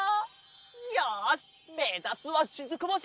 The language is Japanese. よしめざすはしずく星！